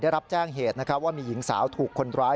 ได้รับแจ้งเหตุว่ามีหญิงสาวถูกคนร้าย